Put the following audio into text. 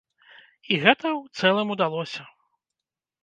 І гэта ў цэлым удалося.